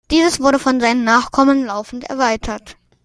Dieses wurde von seinen Nachkommen laufend erweitert.